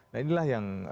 nah inilah yang